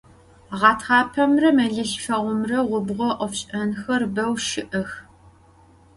Ğetxapemre, melılhfeğumre gubğo ofş'enxer beu şı'ex.